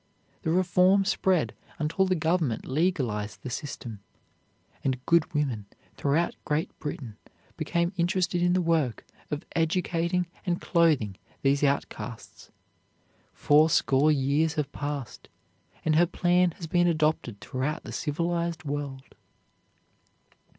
The reform spread until the Government legalized the system, and good women throughout Great Britain became interested in the work of educating and clothing these outcasts. Fourscore years have passed, and her plan has been adopted throughout the civilized world.